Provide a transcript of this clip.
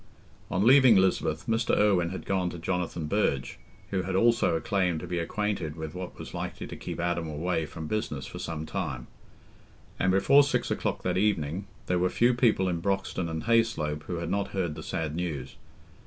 On leaving Lisbeth, Mr. Irwine had gone to Jonathan Burge, who had also a claim to be acquainted with what was likely to keep Adam away from business for some time; and before six o'clock that evening there were few people in Broxton and Hayslope who had not heard the sad news.